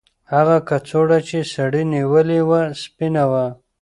هغه کڅوړه چې سړي نیولې وه سپینه وه.